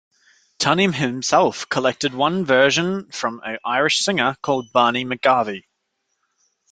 Tunney himself collected one version from an Irish singer called Barney McGarvey.